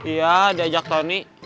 iya diajak tony